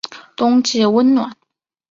冬季温暖。